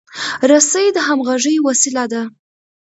رسۍ د همغږۍ وسیله ده.